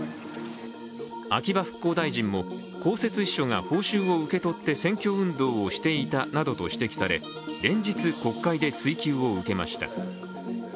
秋葉復興大臣も公設秘書が報酬を受け取って選挙運動をしていたなどと指摘され連日、国会で追及を受けました。